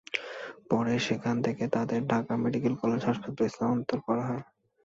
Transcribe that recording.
পরে সেখান থেকে তাঁদের ঢাকা মেডিকেল কলেজ হাসপাতালে স্থানান্তর করা হয়।